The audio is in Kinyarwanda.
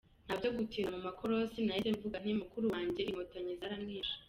Nta byo gutinda mu makorosi nahise mvuga nti: “mukuru wanjye inkotanyi zaramwishe”.